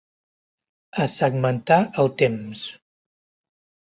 A segmentar el temps.